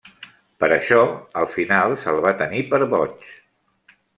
Per això, al final se'l va tenir per boig.